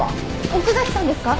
奥崎さんですか？